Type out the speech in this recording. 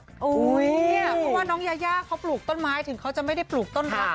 เพราะว่าน้องยายาเขาปลูกต้นไม้ถึงเขาจะไม่ได้ปลูกต้นรัก